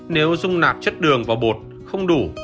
nếu dung nạt chất đường vào bột không đủ